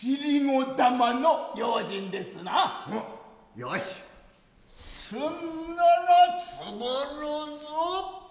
よしすんならつぶるぞ。